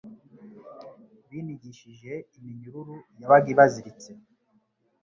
binigishije iminyururu yabaga ibaziritse.